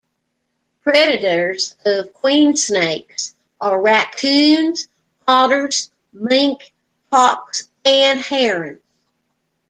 Predators of queen snakes are raccoons, otters, mink, hawks and herons.